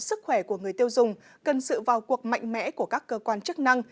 sức khỏe của người tiêu dùng cần sự vào cuộc mạnh mẽ của các cơ quan chức năng